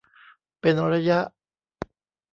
เป็นระยะ